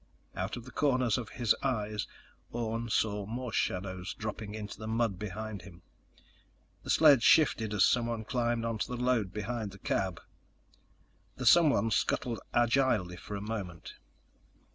Out of the corners of his eyes, Orne saw more shadows dropping to the mud around him. The sled shifted as someone climbed onto the load behind the cab. The someone scuttled agilely for a moment.